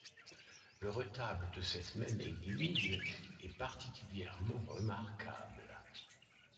Le retable de cette même église est particulièrement remarquable.